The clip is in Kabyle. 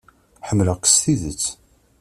Ḥemmleɣ-k s tidet.